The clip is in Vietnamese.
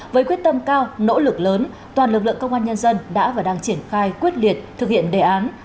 với quyết tâm cao nỗ lực lớn toàn lực lượng công an nhân dân đã và đang triển khai quyết liệt thực hiện đề án